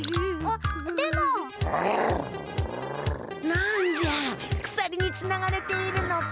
なんじゃくさりにつながれているのか。